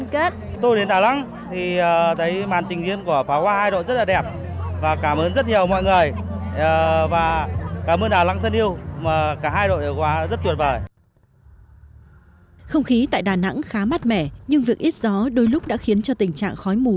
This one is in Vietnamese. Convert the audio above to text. không khí đà nẵng khá mát mẻ nhưng việc ít gió đôi lúc đã khiến cho tình trạng khói mù